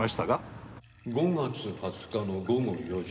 ５月２０日の午後４時。